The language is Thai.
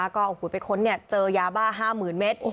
ก็เจอยาบ้า๕๐๐๐๐เม็ด